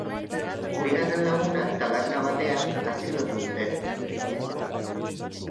Bigarren laguna taberna batean atxilotu dute.